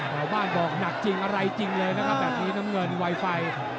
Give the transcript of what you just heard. ชาวบ้านบอกหนักจริงอะไรจริงเลยนะครับแบบนี้น้ำเงินไวไฟ